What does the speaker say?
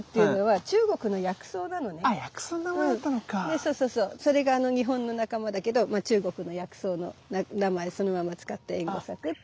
でそうそうそうそれが日本の仲間だけど中国の薬草の名前そのまま使ってエンゴサクって。